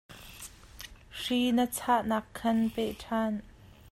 Hri na chahnak khan peh ṭhan.